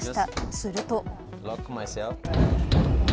すると。